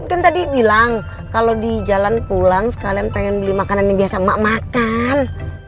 mungkin tadi bilang kalau di jalan pulang sekalian pengen beli makanan yang biasa mak makan